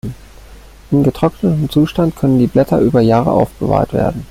In getrocknetem Zustand können die Blätter über Jahre aufbewahrt werden.